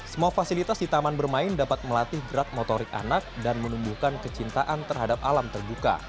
semua fasilitas di taman bermain dapat melatih gerak motorik anak dan menumbuhkan kecintaan terhadap alam terbuka